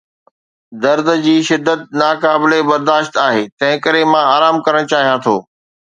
درد جي شدت ناقابل برداشت آهي، تنهنڪري مان آرام ڪرڻ چاهيان ٿو.